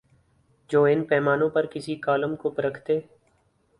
جو ان پیمانوں پر کسی کالم کو پرکھتے